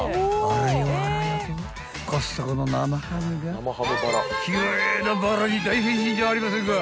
あらよとコストコの生ハムが奇麗なバラに大変身じゃありませんか］